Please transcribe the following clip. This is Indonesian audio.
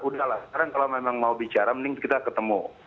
udahlah sekarang kalau memang mau bicara mending kita ketemu